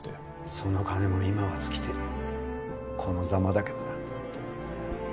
その金も今は尽きてこのザマだけどな。